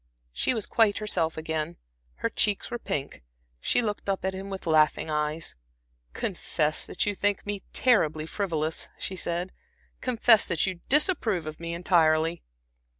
She was quite herself again, her cheeks were pink; she looked up at him with laughing eyes. "Confess that you think me terribly frivolous," she said; "confess that you disapprove of me entirely."